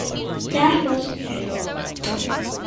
That Was Then...